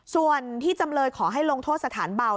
ส่วนที่จำเลยขอให้ลงโทษสถานเบา